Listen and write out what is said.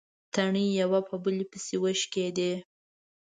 تڼۍ يوه په بلې پسې وشکېدې.